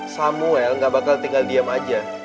samuel gak bakal tinggal diem aja